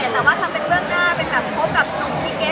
แต่ว่าทำเป็นเบื้องหน้าเป็นแบบพบกับน้องเก๋คนก็โยงมาถึงเรา